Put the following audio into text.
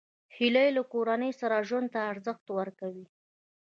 هیلۍ له کورنۍ سره ژوند ته ارزښت ورکوي